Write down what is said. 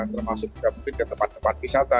termasuk juga mungkin ke tempat tempat wisata